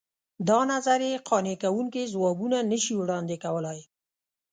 دا نظریې قانع کوونکي ځوابونه نه شي وړاندې کولای.